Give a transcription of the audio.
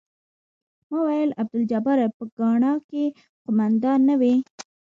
ما ویل عبدالجباره په ګانا کې قوماندان نه وې.